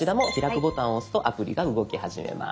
ボタンを押すとアプリが動き始めます。